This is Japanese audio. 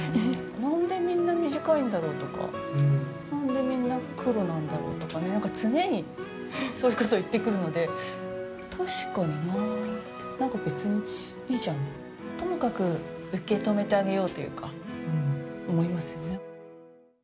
なんでみんな短いんだろうとか、なんでみんな黒なんだろうとか、なんか常にそういうことを言ってくるので、確かになって、なんか別にいいじゃん、ともかく受け止めてあげようというか、思いますよね。